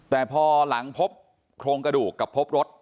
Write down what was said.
แต่พอหลังพบโครงกระดูกกับพบรถ